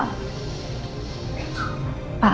bapak sudah tahu pak